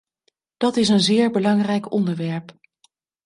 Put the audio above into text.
Dat is een zeer belangrijk onderwerp.